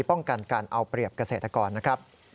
ป้องกันการเอาเปรียบเกษตรกรนะครับ